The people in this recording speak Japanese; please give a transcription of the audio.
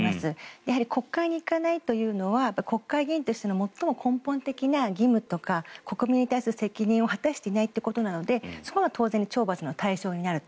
やはり国会に行かないというのは国会議員としての最も根本的な義務とか国民に対する責任を果たしていないということなのでそこは当然懲罰の対象になると。